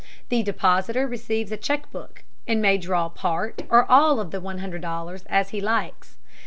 The depositor receives a check book, and may draw part or all of the $100, as he likes.